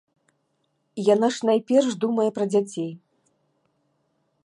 Яна ж найперш думае пра дзяцей.